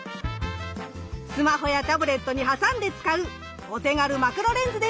スマホやタブレットに挟んで使うお手軽マクロレンズです。